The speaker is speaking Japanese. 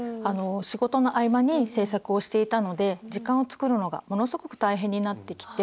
仕事の合間に制作をしていたので時間をつくるのがものすごく大変になってきて。